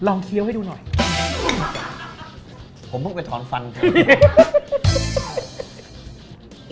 ผมเพิ่งไปถอนฟันเถอะ